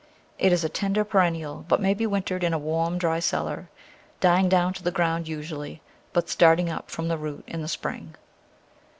It is a tender perennial, but may be wintered in a warm, dry cellar, dying down to the ground usually, but starting up from the root in the spring.